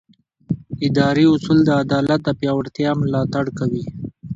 اداري اصول د عدالت د پیاوړتیا ملاتړ کوي.